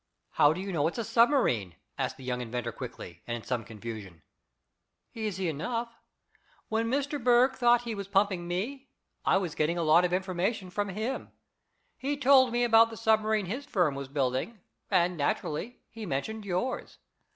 "How do you know it's a submarine?" asked the young inventor quickly, and in some confusion. "Easy enough. When Mr. Berg thought he was pumping me, I was getting a lot of information from him. He told me about the submarine his firm was building, and, naturally, he mentioned yours.